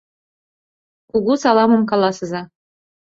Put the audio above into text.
Кугу саламым каласыза!